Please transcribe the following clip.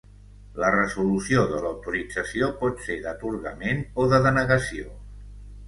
La resolució de l'autorització pot ser d'atorgament o de denegació.